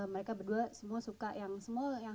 mereka berdua semua suka yang